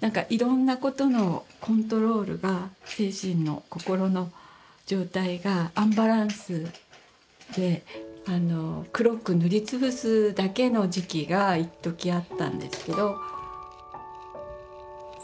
何かいろんなことのコントロールが精神の心の状態がアンバランスで黒く塗りつぶすだけの時期がいっときあったんですけど。